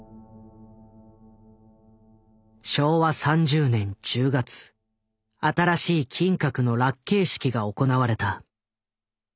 昭和３０年１０月新しい金閣の落慶式が行われた。